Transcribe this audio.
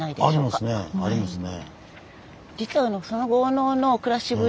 ありますねありますね。